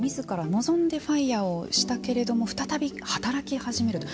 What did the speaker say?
望んでＦＩＲＥをしたけれども再び働き始めると。